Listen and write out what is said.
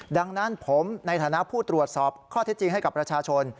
ดังนั้นผมในฐานะผู้ตรวจสอบข้อเท็จจริงให้กับประชาชน